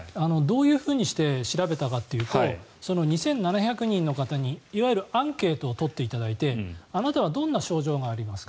どういうふうにして調べたかというとその２７００人の方にいわゆるアンケートを取っていただいてあなたはどんな症状がありますか？